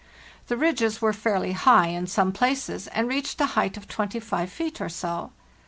The ridges were fairly high in some places, and reached a height of 25 feet or so.